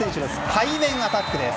背面アタックです。